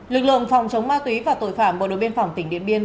lực lượng phòng chống ma túy và tội phạm bộ đội biên phòng tỉnh điện biên